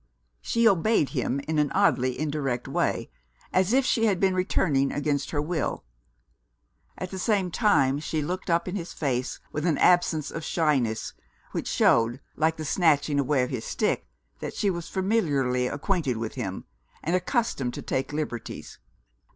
She obeyed him in an oddly indirect way, as if she had been returning against her will. At the same time she looked up in his face, with an absence of shyness which showed, like the snatching away of his stick, that she was familiarly acquainted with him, and accustomed to take liberties.